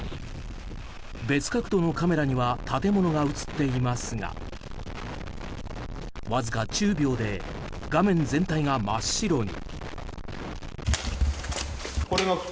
別角度のカメラには建物が映っていますがわずか１０秒で画面全体が真っ白に。